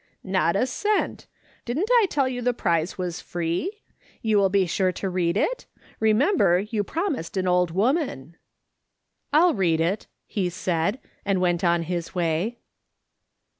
" Not a cent. Didn't I tell you the prize was free ? You will ])e sure to read it ? liem ember, you promised an old woman." " I'll read it," he said, and went his way.